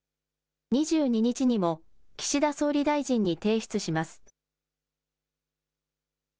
２２日にも岸田総理大臣に提出します。